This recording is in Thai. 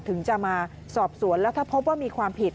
ถึงจะมาสอบสวนแล้วถ้าพบว่ามีความผิด